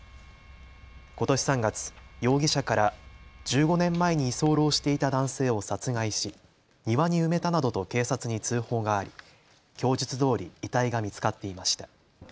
ことし３月、容疑者から１５年前に居候していた男性を殺害し、庭に埋めたなどと警察に通報があり供述どおり遺体が見つかっていました。